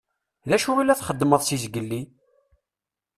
D acu i la txeddmeḍ seg zgelli?